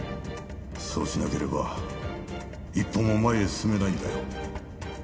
そうしなければ一歩も前へ進めないんだよ。